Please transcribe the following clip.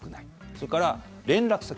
それから、連絡先。